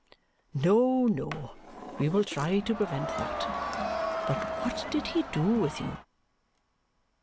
"No, no, we will try to prevent that. But what did he do with you?"